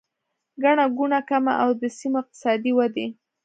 ګڼه ګوڼه کمه او د سیمو اقتصادي ودې